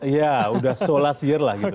iya udah so last year lah gitu